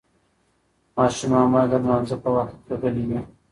ماشومان باید د لمانځه په وخت کې غلي وي.